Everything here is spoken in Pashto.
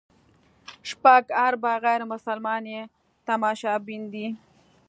شپږ اربه غیر مسلمان یې تماشبین دي.